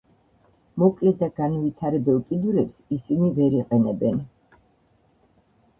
მოკლე და განუვითარებელ კიდურებს ისინი ვერ იყენებენ.